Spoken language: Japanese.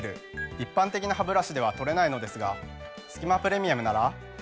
一般的なハブラシでは取れないのですがすき間プレミアムなら。